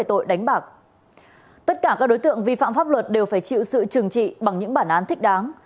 tất cả các đối tượng vi phạm pháp luật đều phải chịu sự trừng trị bằng những bản án thích đáng